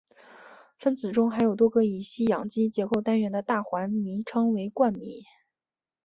分子中含有多个乙烯氧基结构单元的大环醚称为冠醚。